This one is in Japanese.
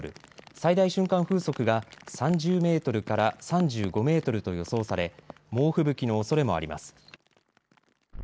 最大瞬間風速が３０メートルから３５メートルと予想され猛吹雪のおそれもあります。